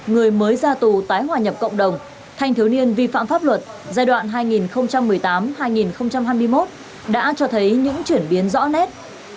người mới ra tù tái hòa nhập cộng đồng thanh thiếu niên vi phạm pháp luật giai đoạn hai nghìn một mươi tám hai nghìn hai mươi một đã cho thấy những chuyển biến rõ nét